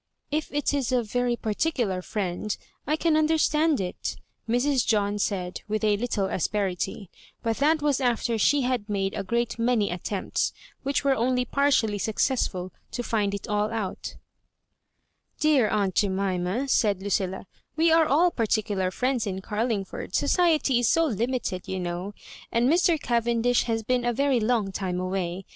" If it is a very particular friend, I can under stand it," Mrs. John said, with a little asperity ; but that was after she had made a great many attempts, which were only partially successful, to find it all out " Dear aunt Jemima," said LucUla, " we are all particular friends in Carlingford — society is so limited, you know; — and Mr. Cavendish has been a very long time away.